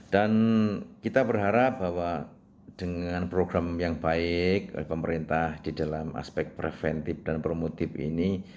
dan kita berharap bahwa dengan program yang baik pemerintah di dalam aspek preventif dan promotif ini